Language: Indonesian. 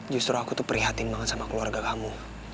justru aku tuh prihatin banget sama keluarga kamu